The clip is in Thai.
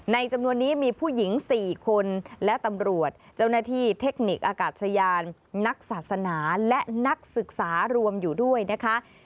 จำนวนนี้มีผู้หญิง๔คนและตำรวจเจ้าหน้าที่เทคนิคอากาศยานนักศาสนาและนักศึกษารวมอยู่ด้วยนะคะ